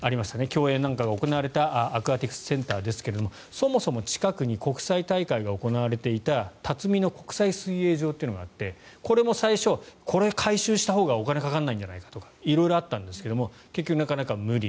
競泳なんかが行われたアクアティクスセンターですがそもそも近くに国際大会が行われていた辰巳国際水泳場というのがあってこれも最初、これ改修したほうがお金がかからないんじゃないかとか色々あったんですが結局なかなか無理。